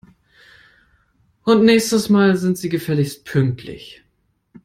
Und nächstes Mal sind Sie gefälligst pünktlich!